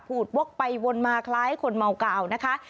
วกไปวนมาคล้ายคนเมากาวนะคะ